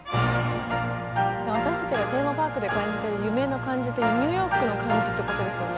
私たちがテーマパークで感じてる夢の感じってニューヨークの感じってことですよね。